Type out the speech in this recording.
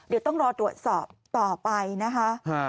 เดี๋ยวต้องรอตรวจสอบต่อไปนะคะ